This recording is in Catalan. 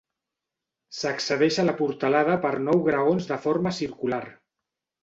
S'accedeix a la portalada per nou graons de forma circular.